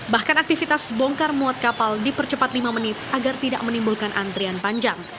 bahkan aktivitas bongkar muat kapal dipercepat lima menit agar tidak menimbulkan antrian panjang